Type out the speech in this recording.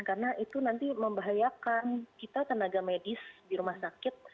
karena itu nanti membahayakan kita tenaga medis di rumah sakit